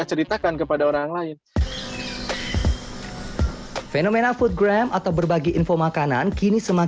terasa bagian kerajaan yang sekarang sudah mulherembah lagi pada para kampus tomar